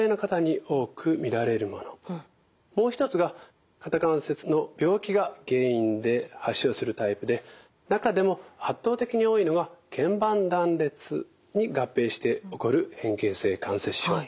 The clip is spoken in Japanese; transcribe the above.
もう一つが肩関節の病気が原因で発症するタイプで中でも圧倒的に多いのがけん板断裂に合併して起こる変形性関節症。